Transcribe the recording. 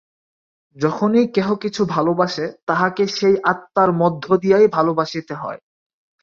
যখনই কেহ কিছু ভালবাসে, তাহাকে সেই আত্মার মধ্য দিয়াই ভালবাসিতে হয়।